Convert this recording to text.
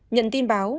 nhận tin báo